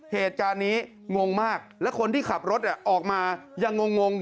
เหตุการณ์นี้งงมากและคนที่ขับรถออกมายังงง